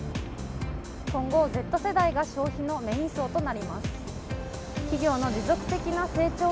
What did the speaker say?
今後Ｚ世代が消費のメイン層となります。